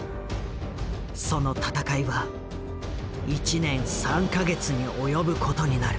その闘いは１年３か月に及ぶことになる。